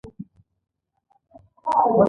هغه په دې خوشاله دی چې اتریشیان جګړه وګټي.